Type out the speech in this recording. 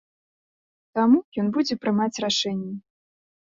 Таму, ён будзе прымаць рашэнне.